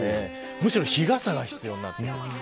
むしろ日傘が必要になってきます。